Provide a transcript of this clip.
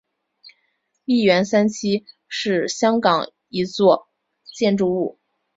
利园三期是香港一座建筑物。